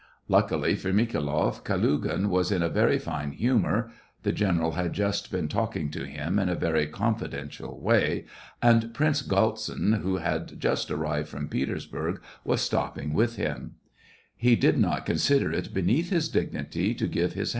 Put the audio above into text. Luckily for Mikhailoff, Kalugin was in a very fine humor (the general had just been talking to him in a very confidential way, and Prince Galtsin, who had just arrived from Petersburg, was stopping with him) ; he did not consider it beneath his dignity to give his SEVASTOPOL IN MAY.